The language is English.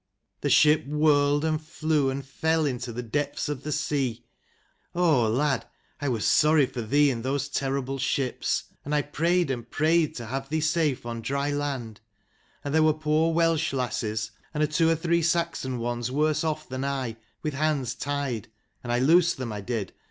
The ship whirled, and flew, and fell into the depths of the sea. Oh, lad, I was sorry for thee in those terrible ships; and I prayed and prayed to have thee safe on dry land. And there were poor Welsh lasses and a two or three Saxon ones, worse off than I, with hands tied : and I loosed them, I did.